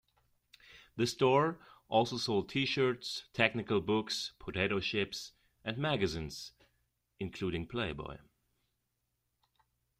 The store also sold T-shirts, technical books, potato chips, and magazines, including "Playboy".